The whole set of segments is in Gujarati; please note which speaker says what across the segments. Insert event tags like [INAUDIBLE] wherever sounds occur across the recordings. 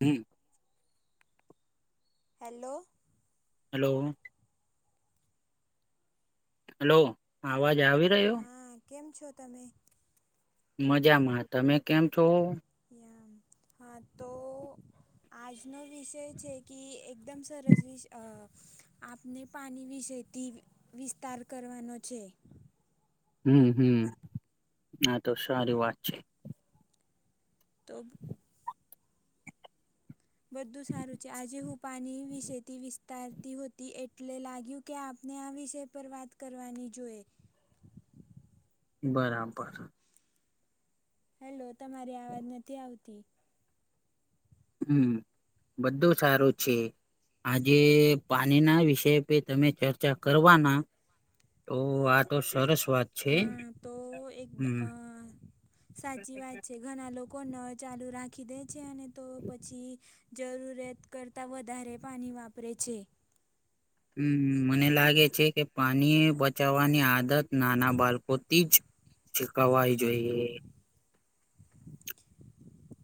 Speaker 1: હમ્મ
Speaker 2: હેલ્લો
Speaker 1: હલો હલો, આવાજ આવી રહ્યો.
Speaker 2: હા કેમ છો તમે?
Speaker 1: મજામાં, તમે કેમ છો?
Speaker 2: યાં હા તો.. આજનો વિષય છે કે એકદમ સરસ વિ અ આપને પાની વિસયથી વિસ્તાર કરવાનો છે.
Speaker 1: હમ્મ હમ્મ, આ તો સારી વાત છે.
Speaker 2: તો.. બધુ સારુ છે. આજે હું પાની વિસેથી વિ તારતી હોતી એટલે લાગ્યું કે આપને આ વિષય પર વાત કરવાની જોઈ.
Speaker 1: બરાબર
Speaker 2: હેલો, તમારી આવાજ નથી આવતી.
Speaker 1: હમ્મ, બધુ સારુ છે. આજે પાણી ના વિષય પે તમે ચર્ચા કરવાના. તો આ તો સરસ વાત છે
Speaker 2: હા તો એક
Speaker 1: હમ.
Speaker 2: અ સાચી વાત છે. ઘણા લોકો ન ચાલુ રાખી દે છે ને તો પછી જરૂરિયાત કરતા વધારે પાની વાપરે છે.
Speaker 1: હમ્મ મને લાગે છે કે, પાની બચાવવાની આદત નાના બાલકોથી જ છીકવાય જોઈએ.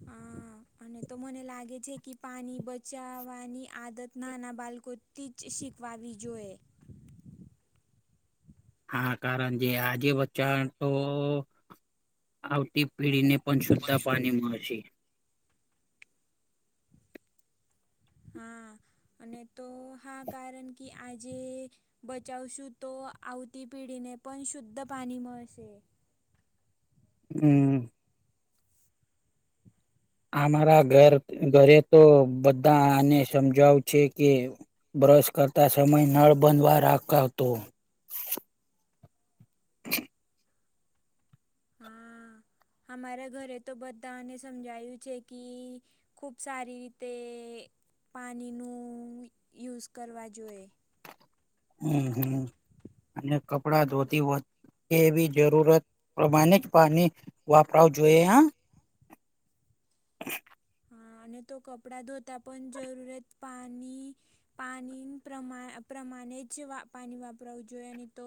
Speaker 2: હા. અને તો મને લાગે છે કે પાણી બચાવવાની આદત નાના બાળકો તે જ શીખવાવી જોઈએ.
Speaker 1: હા કારણ જે આજે બચ્ચા તો આવતી પીઢી ને પણ શુદ્ધ
Speaker 2: હા
Speaker 1: પાણી મળશે.
Speaker 2: હા, અને તો હા કારણ કે આજે બચાવશું તો આવતી પેઢીને પણ શુદ્ધ પાણી મળશે.
Speaker 1: હમ. અમારા ઘર ઘરે તો બધા આને સમજાવું છે કે બ્રશ કરતા સમય નળ બંધવા રાગ આવતો.
Speaker 2: હા, અમારા ઘરે તો બધાને સમજાયું છે કે ખૂબ સારી રીતે પાણીનું યુઝ કરવા જોઈએ.
Speaker 1: હમ હમ, અને કપડા ધોતી વધ કે એવી જરૂરત પ્રમાણે જ પાણી વાપરાવ જોઈએ હ.
Speaker 2: હા અને તો કપડા ધોતા પણ જરૂરત પાણી પાણી પ્રમા પ્રમાણે જ પાણી વાપરાવું જોઈએ અને તો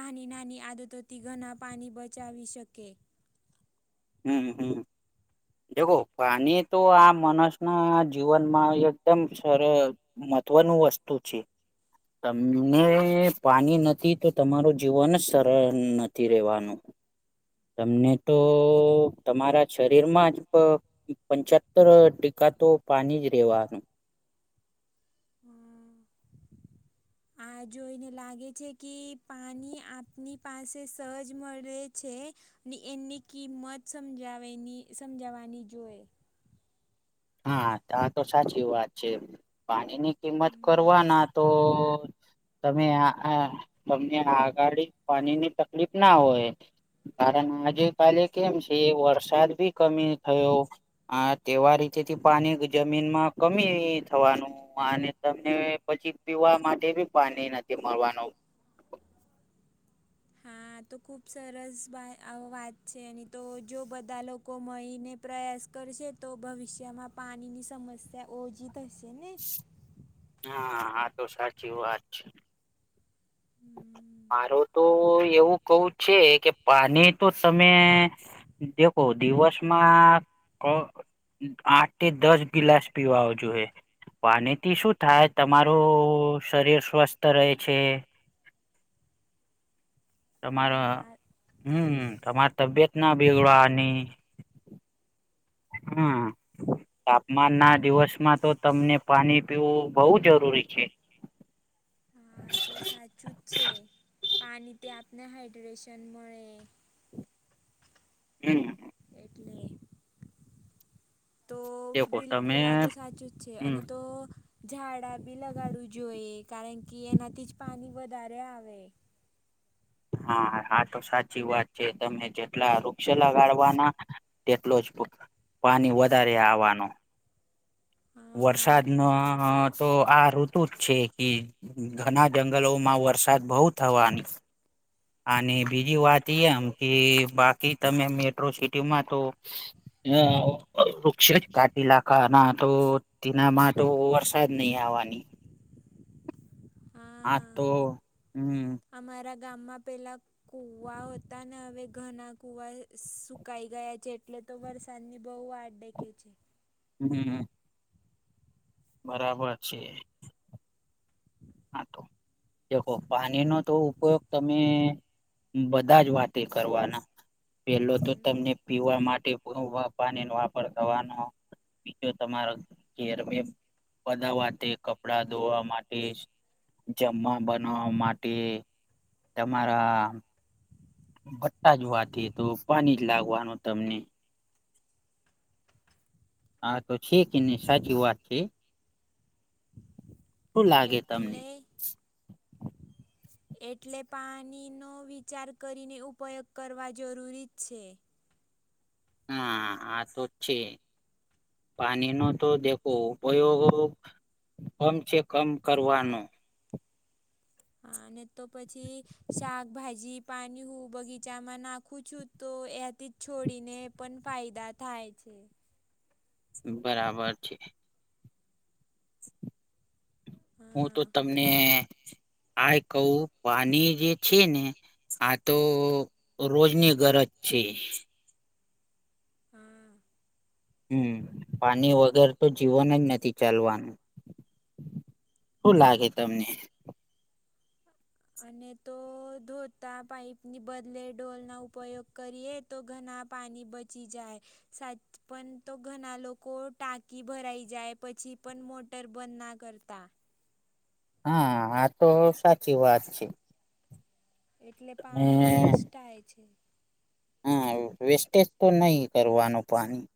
Speaker 2: નાની નાની આદતોથી ઘણા પાણી બચાવી શકે.
Speaker 1: હમ હમ. દ પાણી તો આ માણસ ના જીવનમાં એકદમ સર મહત્વનું વસ્તુ છે. તમને પાણી નથી તો તમારું જીવન સરળ નથી રહેવાનું. તમને તો તમારા શરીર માં જ પંચતર ટીકા તો પાણી જ રહેવાનું.
Speaker 2: હમ. આ જોઈને લાગે છે કે પાણી આપની પાસે સહજ મળે છે. ને એમની કિંમત સમજાવેની સમજાવવાની જોએ.
Speaker 1: હા આા તો સાચી વાત છે પાણીની કિંમત
Speaker 2: હમ્મ.
Speaker 1: કરવાના તો તમે આ તમને આગળ પાણી ની તકલીફ ના હોય. કારણ આજે કાલે કેમ છે વરસાદ ભી કમી થયો. હા તેવા રીતેથી પાણી જમીનમાં કમી થવાનું. અને તમને પછી પીવા માટે બી પાણી નથી મળવાનું.
Speaker 2: હા તો ખૂબ સરસ વાત છે એની તો જો બધા લોકો મળીને પ્રયાસ કરશે તો ભવિષ્યમાં પાણીની સમસ્યા ઓછી થશે ને.
Speaker 1: હા હા તો સાચી વાત છે. મારો તો એવું કવું છે કે પાણી તો તમે દખો દિવસમાં ક આઠ દસ ગિલાસ પીવા જોઈએ. પાણીથી શું થાય તમારું શરીર સ્વસ્થ રહે છે. તમારે
Speaker 2: હા
Speaker 1: હમ તમારે તબિયત ના બેગડવાની. હમ, તાપમાન ના દિવસ માં તો તમને પાણી પીવું બહુ જરૂરી છે.
Speaker 2: હા તો સાચું જ છે, પાણીથી આપને હાઈડ્રેશન મળે.
Speaker 1: હમ.
Speaker 2: એટલે. તો
Speaker 1: દેખો તમે
Speaker 2: બિલકુલ આ તો સાચું જ છે
Speaker 1: હમ
Speaker 2: અને તો. ઝાડા બી લગાડવું જોઈએ કારણ કે એનાથી જ પાણી વધારે આવે.
Speaker 1: હા હા તો સાચી વાત છે તમે જેટલા વૃક્ષ લગાડવાના. તેટલો જ પાણી વધારે આવવાનો.
Speaker 2: હા
Speaker 1: વરસાદ ન તો આ ઋતુ જ છે કે ઘણા જંગલો માં વરસાદ બહુ થવાની અને બીજી વાત એ એમ કે બાકી તમે મેટ્રો સિટીમાં તો હ વૃક્ષ જ કાટી લાકા ના તો તેના માટે વરસાદ નય આવવાની હા તો હમ્મ
Speaker 2: અમારા ગામમાં પેલાં કુવા હતા ને હવે ઘણા કુવા સુકાઈ ગયા છે એટલે તો વર્ષાની બહુ વાટ દેખે છે.
Speaker 1: હમ્મ. બરાબર છે. હા દેખો પાણીનો તો ઉપયોગ તમે બધા જ વાતે કરવાના. પેલો તો
Speaker 2: હમ.
Speaker 1: તમને પીવા માટે [UNINTELLIGIBLE] પાણી નો વાપર કરવાનો. બીજો તમાતો [UNINTELLIGIBLE] બધા વાતે કપડા ધોવા માટે જમવા બનાવા માટે તમારા ભટ્ટા જવાથી તો પાણી જ લાગવાનું તમને હા તો છે કે નઈ સાચી વાત છે. શું લાગે તમને
Speaker 2: એટલે એટલે પાણીનો વિચાર કરીને ઉપયોગ કરવા જરૂરી જ છે.
Speaker 1: હા આ તો છે. પાણી નો તો દેખો ઉપયોગ કમ છે કમ કરવાનું.
Speaker 2: અને તો પછી શાકભાજી પાણી હું બગીચામાં નાખું છું તો એથી છોડીને પણ ફાયદા થાય છે.
Speaker 1: બરાબર છે. હું તો
Speaker 2: હા
Speaker 1: તમને આ કહું પાણી જે છે ને આ તો રોજની ગરજ છે.
Speaker 2: હા.
Speaker 1: હમ પાણી વગર તો જીવન જ નથી ચાલવાનું. શું લાગે તમને?
Speaker 2: અને તો ધોતા પાઈપની બદલે ઢોલ ના ઉપયોગ કરીએ. તો ઘના પાણી બચી જાય. સાચ પણ તો ઘણા લોકો ટાંકી ભરાઈ જાય પછી પણ મો ટર બંધ ના કરતા.
Speaker 1: હા આ તો સાચી વાત છે.
Speaker 2: એટલે
Speaker 1: અને
Speaker 2: પાણી વેસ્ટ થાય છે.
Speaker 1: હા વેસ્ટેજ તો નહી કરવાનું પાણી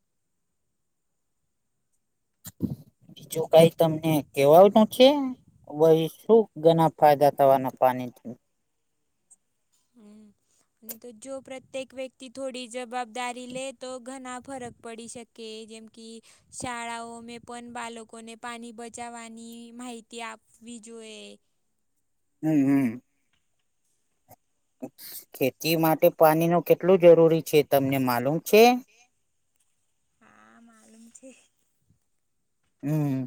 Speaker 1: બીજું કઈ તમને કેવાનું છે ભાઈ શું ઘણા ફાયદા થવાના પાણી
Speaker 2: હમ્મ. અને તો જો પ્રત્યેક વ્યક્તિ થોડી જવાબદારી લે તો ઘણા ફરક પડી શકે જેમ કે શાળાઓ મેં પણ બાળકોને પાણી બચાવવાની માહિતી આપ બીજોએ
Speaker 1: હમ હમ ખેતી માટે પાણી નું કેટલું જરૂરી છે તમને માલુમ છે
Speaker 2: હા માલુમ છે.
Speaker 1: હમ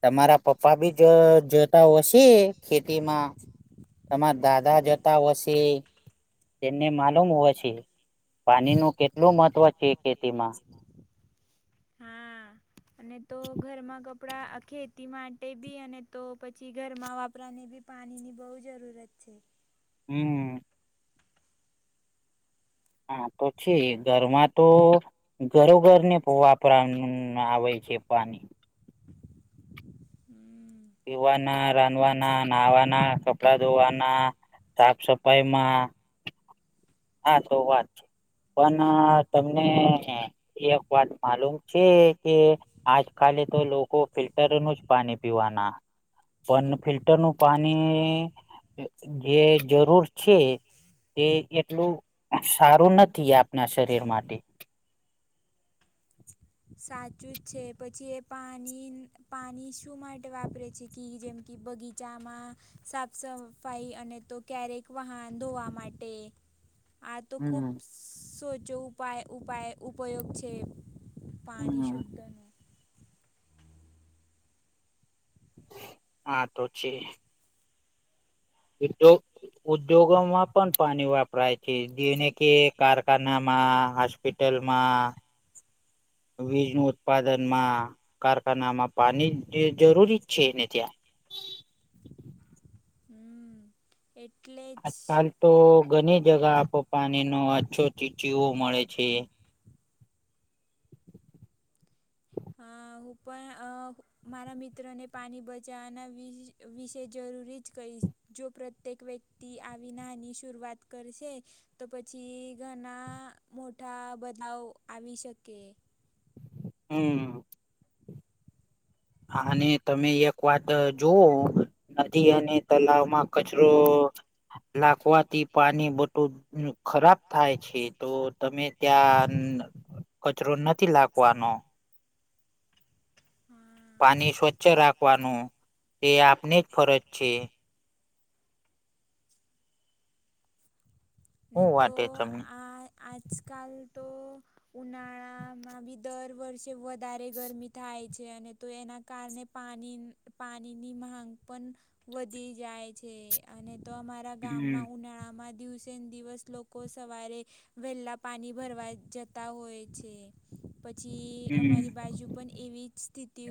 Speaker 1: તમારા પપ્પા બી જ જ જતા હશે ખેતીમાં તમારા દાદા જતા હશે તેમને માલુમ હો છે પાણી નું કેટલું મહત્વ છે ખેતી માં.
Speaker 2: હા અને તો ઘરમાં કપ આપણા ખેતી માટે બી અને તો પછી ઘરમાં વાપરાને બી પાણીની બહુ જરૂરત છે
Speaker 1: હમ હા તો છે ઘરમાં તો ઘરો ઘરને વાપરાનું આવે છે પાણી
Speaker 2: હમ
Speaker 1: પીવાના રાંધવાના નાહવાના કપડા ધોવાના સાફ સફાઈમાં હા તો વાત છે પણ તમને એક વાત માલુમ છે કે આજકાલે તો લોકો ફિલ્ટર ન જ પાણી પીવાના પણ ફિલ્ટર નું પાણી જે જરૂર છે તે એટલું સારું નથી આપણા શરીર માટે.
Speaker 2: સાચું જ છે પછી એ પાણી પાણી શું માટે વાપરે છે કે જેમ કે બગીચ ચામાં સાફ સફાઈ અને તો ક્યારેક વાહન ધોવા માટે આ તો ખુબ
Speaker 1: હમ
Speaker 2: સોચો ઉપાય ઉપાય ઉપયોગ છે પાણી
Speaker 1: હમ
Speaker 2: શુદ્ધનું
Speaker 1: હા તો છે એટો ઉદ્યોગોમાં પણ પાણી વાપરાય છે જેને કે કારખાનામાં હોસ્પિટલમાં
Speaker 2: હમ
Speaker 1: વીજ નું ઉત્પાદન માં કારખાનામાં પાણી જરૂરી છે ને ત્યાં
Speaker 2: હમ એટલે જ
Speaker 1: આજકાલ તો ઘણી જગા આપો પાણી નો અછો ચીચીવો મળે છે
Speaker 2: હ હું પણ મારા મિત્રોને પાણી બચાવવાના વિશે વિશે જરૂરી જ કરીહીશ જો પ્રત્યેક વ્યક્તિ આવી નાની શરૂઆત કરશે તો પછી ઘણા મોટા બદલાવ આવી શકે
Speaker 1: હમ હા અને તમે એક વાત જોઓ નદી અને તલાવમાં કચરો લાગવાથી પાણી બટું ખરાબ થાય છે તો તમે ત્યાં કચરો નથી લાગવાનો
Speaker 2: હા
Speaker 1: પાણી સ્વચ્છ રાખવાનું તે આપને જ ફરજ છે
Speaker 2: ન
Speaker 1: શું
Speaker 2: તો
Speaker 1: વાટે તમને
Speaker 2: આજકાલ તો ઉનાળામાં બી દર વર્ષે વધારે ગરમી થાય છે અને તો એના કારણે પાણી પાણીની માંગ પણ વધી જાય છે અને તો અમારા
Speaker 1: હમ
Speaker 2: ગામમાં ઉનાળા માં દિવસે દિવસ લોકો સવારે વહેલા પાણી ભરવા જતા હોય છે. પછી
Speaker 1: હમ
Speaker 2: અમારી બાજુ પણ એવી જ સ્થિતિ તે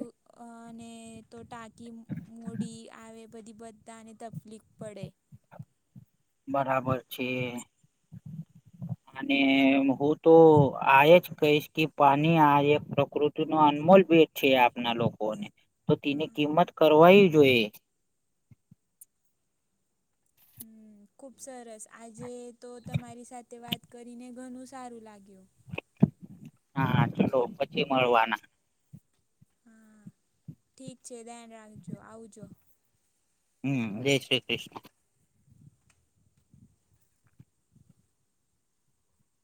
Speaker 2: અને તો ટાંકી મૂડી આવે બધી બધાને તકલીફ પડે
Speaker 1: બરાબર છે
Speaker 2: [INAUDIBLE]
Speaker 1: અને હું તો આજ કહીશ કે પાણી આ એક પ્રકૃતિ નો અનમોલ ભ છે આપના લોકોને તો તેની કિંમત કરવાવી જોઈ
Speaker 2: હમ ખુબ સરસ આજે તો તમારી સાથે વાત કરીને ઘણુ સારું લાગ્યું.
Speaker 1: હા ચાલો પછી મળવાના-
Speaker 2: હા ઠીક છે ધ્યાન રાખજો આવજો.
Speaker 1: હમ જય શ્રી કૃષ્ણ.